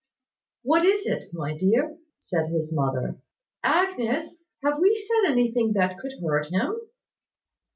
"What is it, my dear?" said his mother. "Agnes, have we said anything that could hurt him?"